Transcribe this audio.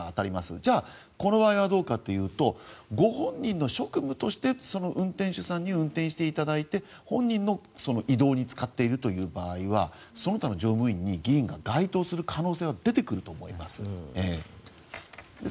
じゃあこの場合はどうかというとご本人の職務として運転手さんに運転していただいて本人の移動に使っているという場合はその他の乗務員に議員が該当する可能性は出てくると思います。